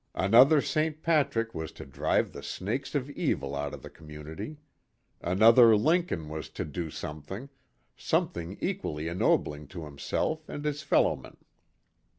Another St. Patrick was to drive the snakes of evil out of the community. Another Lincoln was to do something something equally ennobling to himself and his fellowmen.